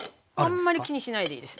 あんまり気にしないでいいです。